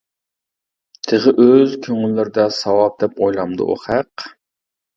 تېخى ئۆز كۆڭۈللىرىدە ساۋاپ دەپ ئويلامدۇ ئۇ خەق.